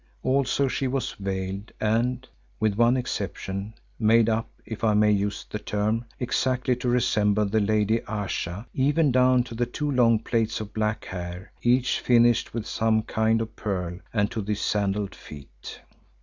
Also she was veiled and, with one exception, made up, if I may use the term, exactly to resemble the lady Ayesha, even down to the two long plaits of black hair, each finished with some kind of pearl and to the sandalled feet.